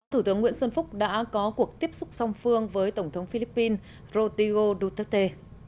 thủ tướng nguyễn xuân phúc đã có cuộc tiếp xúc song phương với tổng thống philippines rodrigo duterte